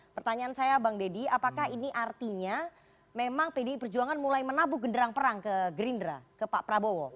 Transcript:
pertanyaan saya bang deddy apakah ini artinya memang pdi perjuangan mulai menabuk genderang perang ke gerindra ke pak prabowo